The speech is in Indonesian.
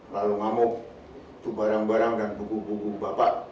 lalu ngamuk itu barang barang dan buku buku bapak